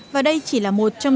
và đây chỉ là một trong